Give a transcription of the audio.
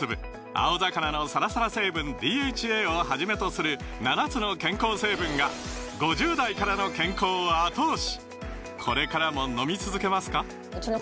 青魚のサラサラ成分ＤＨＡをはじめとする７つの健康成分が５０代からの健康を後押し！